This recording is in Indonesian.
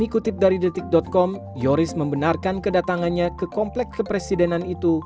dikutip dari detik com yoris membenarkan kedatangannya ke komplek kepresidenan itu